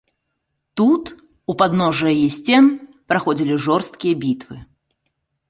Тут, у падножжа яе сцен, праходзілі жорсткія бітвы.